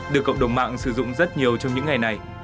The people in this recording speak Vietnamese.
được cộng đồng mạng sử dụng rất nhiều trong những ngày này